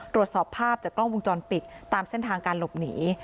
ตรวจสอบภาพจากกล้องวงจรปิดตามเส้นทางการหลบหนี